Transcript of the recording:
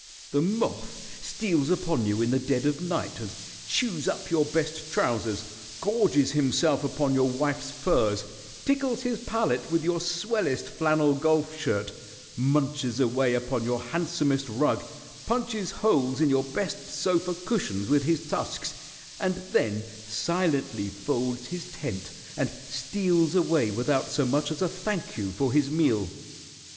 The moth steals upon you in the dead of night, and chews up your best trousers, gorges himself upon your wife's furs, tickles his palate with your swellest flannel golf shirt, munches away upon your handsomest rug, punches holes in your best sofa cushions with his tusks, and then silently folds his tent and steals away without so much as a thank you for his meal.